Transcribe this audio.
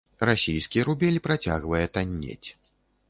Расійскі рубель працягвае таннець.